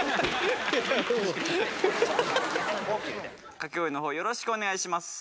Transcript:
掛け声の方よろしくお願いします。